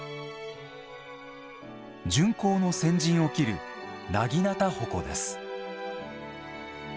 巡行の先陣を切る長刀鉾です。